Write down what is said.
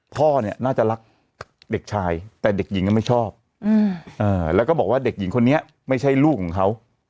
พ่อเนี่ยน่าจะรักเด็กชายแต่เด็กหญิงก็ไม่ชอบแล้วก็บอกว่าเด็กหญิงคนนี้ไม่ใช่ลูกของเขา